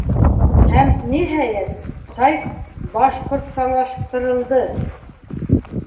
Һәм, ниһайәт, сайт башҡортсалаштырылды!